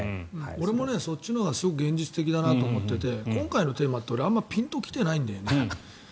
俺もそっちのほうがすごく現実的だなと思っていて今回のテーマってあまりピンと来てないんだよね。